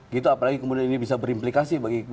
gitu apalagi kemudian ini bisa berimplikasi bagi